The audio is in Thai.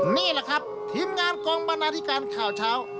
นี่แหละครับทีมงานกองบรรณาธิการข่าวเช้า